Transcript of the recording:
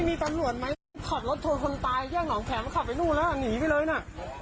ก็ตอบว่าจะปล่อยไปกับรถจักรยานยนต์ออกมาไม่ได้เข้าไปที่นี่นะ